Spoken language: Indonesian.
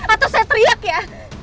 atau saya teriak ya